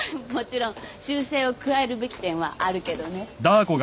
もちろん修正を加えるべき点はあるけどね。